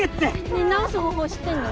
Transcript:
ねえ治す方法知ってんの？